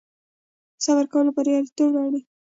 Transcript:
صبر کول بریالیتوب راوړي